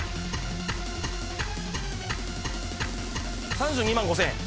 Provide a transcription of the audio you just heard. ３２万５，０００円。